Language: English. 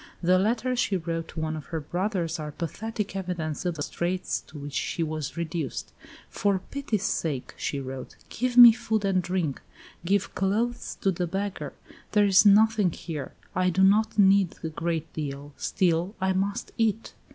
The letters she wrote to one of her brothers are pathetic evidence of the straits to which she was reduced. "For pity's sake," she wrote, "give me food and drink. Give clothes to the beggar. There is nothing here. I do not need a great deal; still I must eat."